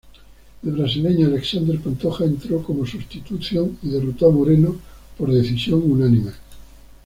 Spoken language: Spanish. El brasileño Alexandre Pantoja entró como sustitución y derrotó a Moreno por decisión unánime.